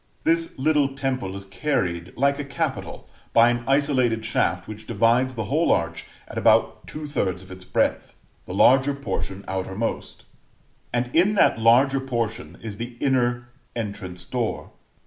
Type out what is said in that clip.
This little temple is carried, like a capital, by an isolated shaft which divides the whole arch at about 2/3 of its breadth, the larger portion outmost; and in that larger portion is the inner entrance door.